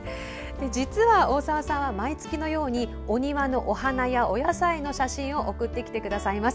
実は、大澤さんは毎月のようにお庭のお花や、お野菜の写真を送ってきてくださいます。